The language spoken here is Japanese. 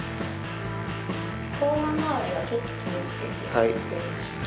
はい。